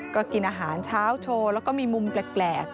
ก็กินอาหารเช้าโชว์แล้วก็มีมุมแปลก